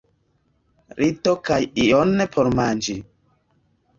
Lito kaj ion por manĝi.